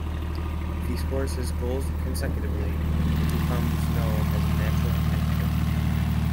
If he scores his goals consecutively, it becomes known as a natural hat trick.